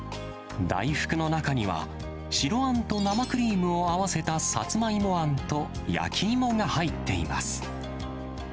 大福の中には、白あんと生クリームを合わせたさつまいもあんと、焼き芋が入っています。